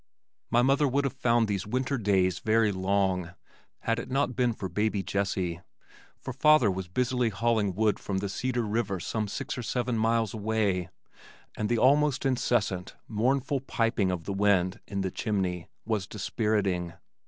My mother would have found these winter days very long had it not been for baby Jessie, for father was busily hauling wood from the Cedar River some six or seven miles away, and the almost incessant, mournful piping of the wind in the chimney was dispiriting.